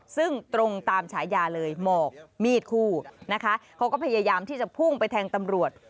ซึ่งตรงตามฉายาเลยหมอกมีดคู่นะคะเขาก็พยายามที่จะพุ่งไปแทงตำรวจ